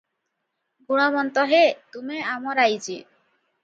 "ଗୁଣବନ୍ତ ହେ ତୁମେ ଆମ ରାଇଜେ